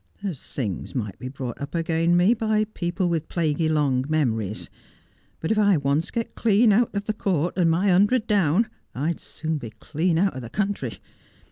There's things might be brought up again me by people with plaguey long memories ; but if I once get clean out of the court and my hundred down, I'd soon be clean out o' the country.